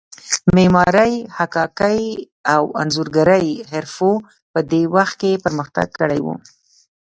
معمارۍ، حکاکۍ او انځورګرۍ حرفو په دې وخت کې پرمختګ کړی و.